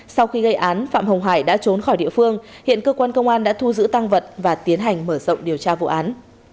sau khi gây án phạm hồng hải đã trốn khỏi địa phương hiện cơ quan công an đã thu giữ tăng vật và tiến hành mở rộng điều tra vụ án